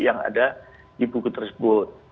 yang ada di buku tersebut